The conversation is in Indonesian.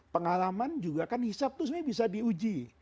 pengalaman juga kan hisap itu sebenarnya bisa diuji